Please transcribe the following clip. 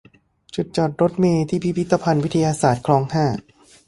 จุดจอดรถเมล์ที่ พิพิธภัณฑ์วิทยาศาสตร์ คลอง ห้า